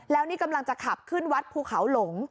แล้วนี่กำลังจะขับขึ้นวัดภูเขาหลง